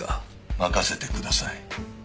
任せてください。